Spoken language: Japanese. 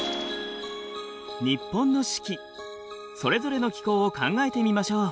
日本の四季それぞれの気候を考えてみましょう。